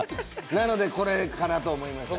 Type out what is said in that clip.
なのでこれかなと思いました。